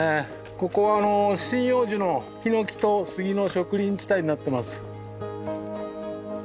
ここはあの針葉樹のヒノキとスギの植林地帯になってます。